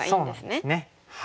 そうなんですね。